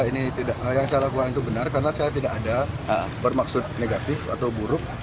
ini tidak yang saya lakukan itu benar karena saya tidak ada bermaksud negatif atau buruk